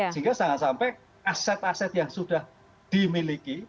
sehingga jangan sampai aset aset yang sudah dimiliki